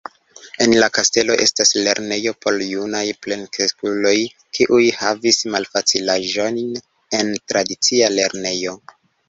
En la kastelo estas lernejo por junaj plenkreskuloj, kiuj havis malfacilaĵojn en tradicia lernejo.